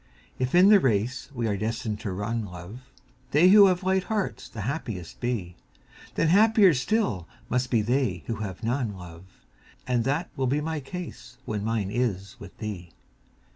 If in the race we are destined to run, love, They who have light hearts the happiest be, Then happier still must be they who have none, love. And that will be my case when mine is with thee.